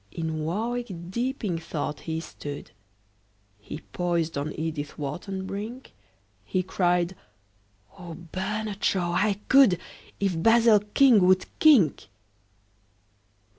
In warwick deeping thought he stood He poised on edithwharton brink; He cried, "Ohbernardshaw! I could If basilking would kink."